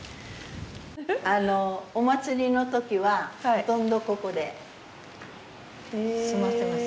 お祭りの時はほとんどここで座ってます。